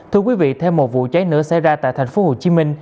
thưa quý vị thêm một vụ cháy nữa xảy ra tại tp hcm